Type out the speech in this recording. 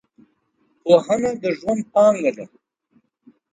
پوهنه د ژوند پانګه ده .